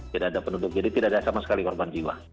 tidak ada penduduk jadi tidak ada sama sekali korban jiwa